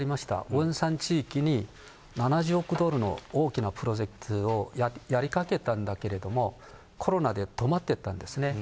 ウォンサン地域に７０億ドルの大きなプロジェクトをやりかけたんだけれども、コロナで止まってたんですね。